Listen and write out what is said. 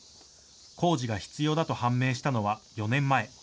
工事が必要だと判明したのは４年前。